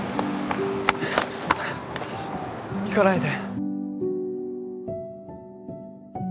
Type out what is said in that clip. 行かないで。